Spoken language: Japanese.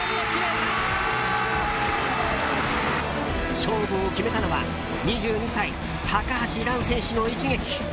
勝負を決めたのは２２歳、高橋藍選手の一撃！